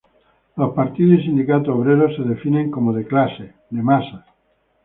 Los partidos y sindicatos obreros se definen como "de clase, de masas".